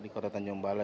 di kota tanjung balai